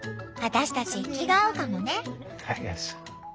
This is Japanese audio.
私たち気が合うかもね。